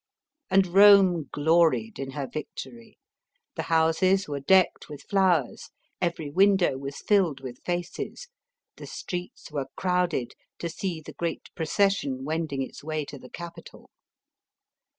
And Rome gloried in her victory. The houses were decked with flowers ; every window was filled with faces ; the streets were crowded to see the great procession wending its way to the Capitol.